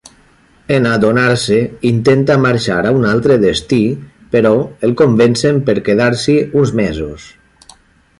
En adonar-se, intenta marxar a un altre destí però el convencen per quedar-s'hi uns mesos.